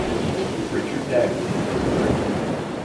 Richard Dagley was a friend.